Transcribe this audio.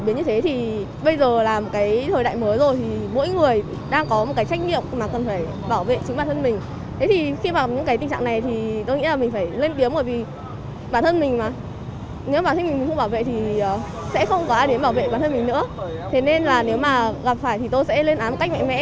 nếu không phải thì tôi sẽ lên án một cách mạnh mẽ